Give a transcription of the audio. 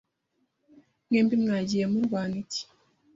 Mwembi mwagiye murwana iki?